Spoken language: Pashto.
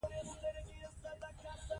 دا وییکې به توپیر ونه مومي.